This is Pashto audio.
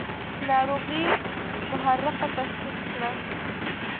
ناروغي محرقه تشخیص کړه.